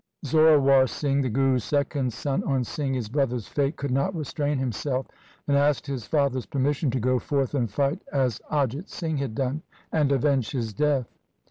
Zorawar Singh, the Guru's second son, on seeing his brother's fate could not restrain himself, and asked his father's permission to go forth and fight as Ajit Singh had done and avenge his death.